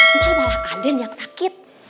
nanti malah aden yang sakit